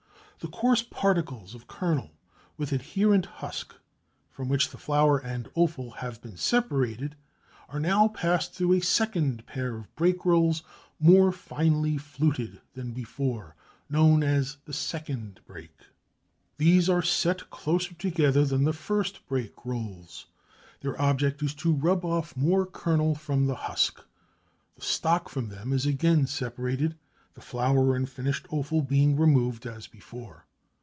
The coarse particles of kernel with adherent husk from which the flour and offal have been separated are now passed through a second pair of break rolls more finely fluted than before, known as the second break. These are set closer together than the first break rolls. Their object is to rub off more kernel from the husk. The stock from them is again separated, the flour and finished offal being removed as before.